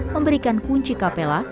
memberikan kunci kapela